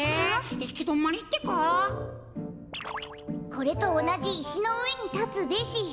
「これとおなじいしのうえにたつべし」。